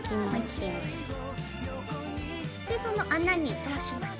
でその穴に通します。